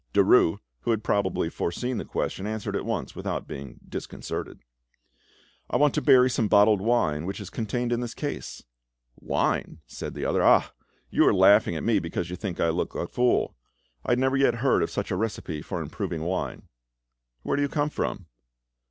Derues, who had probably foreseen the question, answered at once, without being disconcerted— "I want to bury some bottled wine which is contained in this case." "Wine!" said the other. "Ah! you are laughing at me, because you think I look a fool! I never yet heard of such a recipe for improving wine." "Where do you come from?"